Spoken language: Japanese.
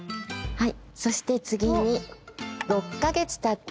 はい。